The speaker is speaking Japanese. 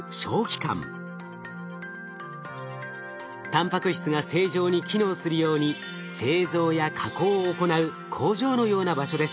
タンパク質が正常に機能するように製造や加工を行う工場のような場所です。